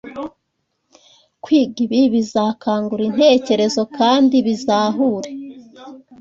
Kwiga ibi bizakangura intekerezo kandi bizahure